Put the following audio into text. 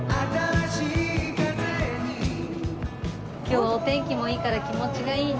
今日はお天気もいいから気持ちがいいね。